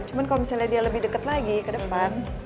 cuma kalau misalnya dia lebih dekat lagi ke depan